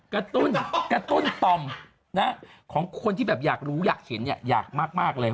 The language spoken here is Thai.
กระตุ้นต่อมของคนที่แบบอยากรู้อยากเห็นเนี่ยอยากมากเลย